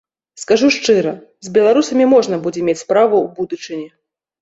Скажу шчыра, з беларусамі можна будзе мець справу ў будучыні.